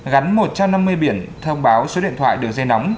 gắn một trăm năm mươi biển thông báo số điện thoại đường dây nóng